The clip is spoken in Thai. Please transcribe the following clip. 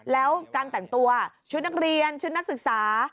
แล้วการแต่งตัวชุดนักเรียนชุดนักศึกษา